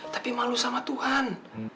tapi malu sama tuhan